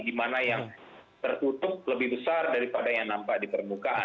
di mana yang tertutup lebih besar daripada yang nampak di permukaan